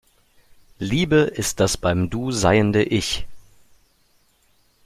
Liebe ist das beim Du seiende Ich.